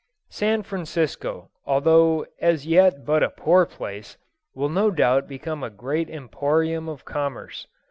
San Francisco, although as yet but a poor place, will no doubt become a great emporium of commerce.